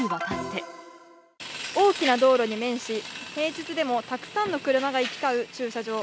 大きな道路に面し、平日でもたくさんの車が行き交う駐車場。